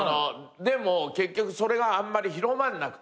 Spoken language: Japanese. でも結局それがあんまり広まんなくて。